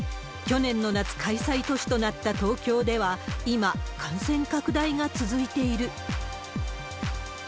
去年の夏、開催都市となった東京では、今、感染拡大が続いている。